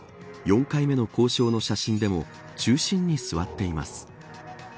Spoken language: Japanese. ４回目の交渉の写真でも中心に座っています。